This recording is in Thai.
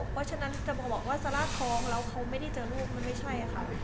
เพราะฉะนั้นจะบอกว่าซาร่าทองมันไม่ได้เจอลูกมันไม่ใช่